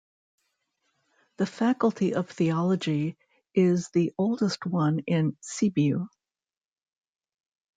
The faculty of theology is the oldest one in Sibiu.